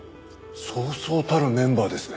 そうそうたるメンバーですね。